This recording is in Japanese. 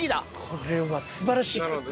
これは素晴らしい。